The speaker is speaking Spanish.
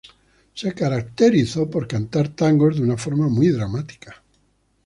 Se caracterizó por cantar tangos de una forma muy dramática.